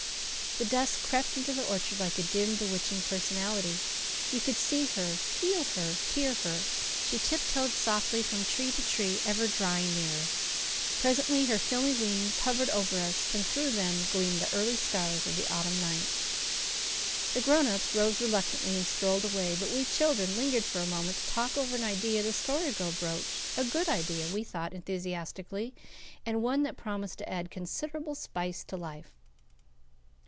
The dusk crept into the orchard like a dim, bewitching personality. You could see her feel her hear her. She tiptoed softly from tree to tree, ever drawing nearer. Presently her filmy wings hovered over us and through them gleamed the early stars of the autumn night. The grown ups rose reluctantly and strolled away; but we children lingered for a moment to talk over an idea the Story Girl broached a good idea, we thought enthusiastically, and one that promised to add considerable spice to life.